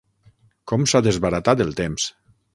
Com s'ha desbaratat el temps!